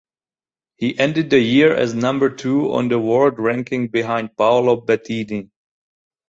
He ended the year as number two on the world ranking behind Paolo Bettini.